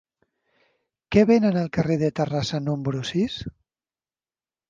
Què venen al carrer de Terrassa número sis?